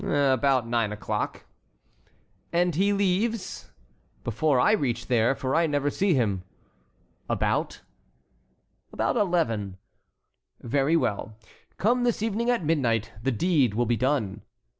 "About nine o'clock." "And he leaves?" "Before I reach there, for I never see him." "About"— "About eleven." "Very well. Come this evening at midnight. The deed will be done."